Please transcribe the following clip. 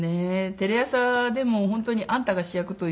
テレ朝でも本当に『あんたが主役』というね。